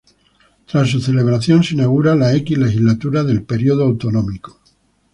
Tras su celebración, se inaugurará la X Legislatura del período autonómico.